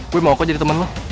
gue mau kok jadi temen lo